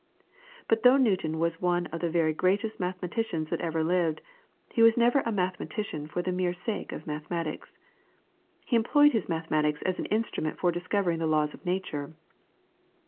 But though Newton was one of the very greatest mathematicians that ever lived, he was never a mathematician for the mere sake of mathematics. He employed his mathematics as an instrument for discovering the laws of nature.